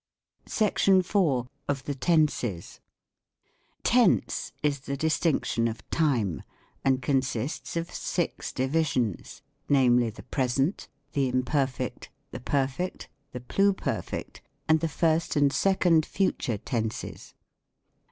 SECTION IV. OF THE TENSES. Tense is the distinction of time, and consists of eix divisions, namely, the Present, the Imperfect, the Perfect, the Pluperfect, and the Fii'st and Second Fu 'ure Tenses.